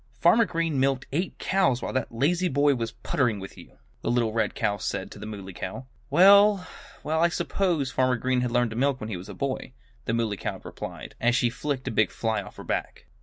"Farmer Green milked eight cows while that lazy boy was puttering with you," the little red cow said to the Muley Cow. "Well, well! I suppose Farmer Green had to learn to milk when he was a boy," the Muley Cow replied, as she flicked a big fly off her back.